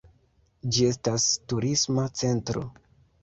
Ĝi estas turisma centro.